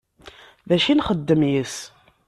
D acu i nxeddem yes-s?